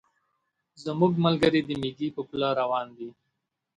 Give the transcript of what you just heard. زموږ ملګري د مېږي په پله روان دي.